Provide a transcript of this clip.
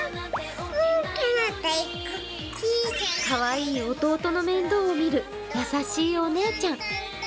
かわいい弟の面倒を見る優しいお姉ちゃん。